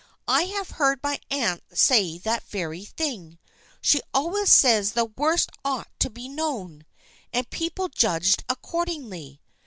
I have heard my aunt say that very thing. She always says the worst ought to be known, and people judged accordingly."